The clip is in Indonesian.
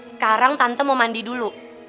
sekarang tante mau mandi dulu